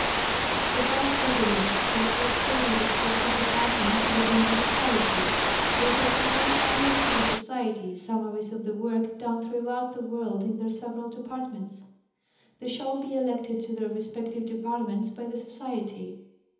The Vice Presidents shall foster their respective departments within the Society ; they shall present annually to the Society summaries of the work done throughout the world in their several departments. ; They shall be elected to their respective departments by the Society.